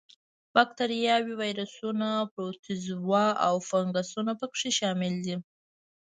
با کتریاوې، ویروسونه، پروتوزوا او فنګسونه په کې شامل دي.